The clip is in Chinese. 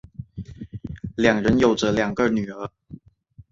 两人有着两个女儿。